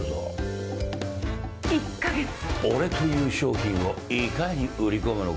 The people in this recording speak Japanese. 俺という商品をいかに売り込むのか。